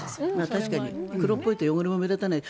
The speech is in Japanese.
確かに黒っぽいと汚れも目立たない。